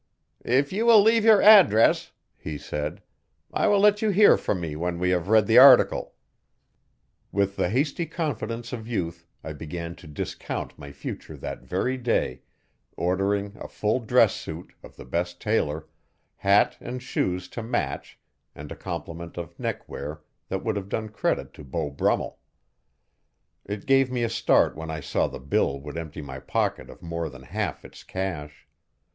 'If you will leave your address,' he said, 'I will let you hear from me when we have read the article. With the hasty confidence of youth I began to discount my future that very day, ordering a full dress suit, of the best tailor, hat and shoes to match and a complement of neck wear that would have done credit to Beau Brummel. It gave me a start when I saw the bill would empty my pocket of more than half its cash.